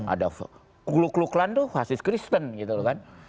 ada gluk gluklan itu fasis kristen